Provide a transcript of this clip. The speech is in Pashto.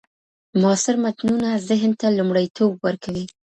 معاصر متنونه ذهن ته لومړيتوب ورکوي.